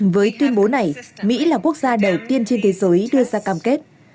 với tuyên bố này mỹ là quốc gia đầu tiên trên thế giới đưa ra cam kết